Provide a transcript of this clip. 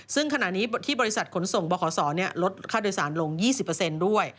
ซึ่งขณะนี้ที่บริษัทขนส่งบขศลดค่าโดยสารลง๒๐ด้วย